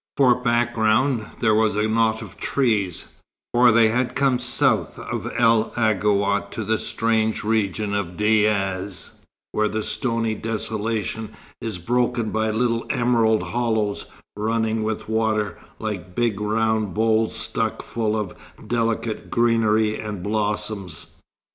For background, there was a knot of trees; for they had come south of El Aghouat to the strange region of dayas, where the stony desolation is broken by little emerald hollows, running with water, like big round bowls stuck full of delicate greenery and blossoms.